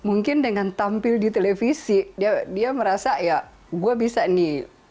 mungkin dengan tampil di televisi dia merasa ya gue bisa nih